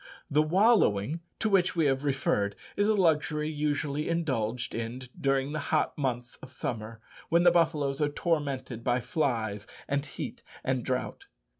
The wallowing, to which we have referred, is a luxury usually indulged in during the hot months of summer, when the buffaloes are tormented by flies, and heat, and drought.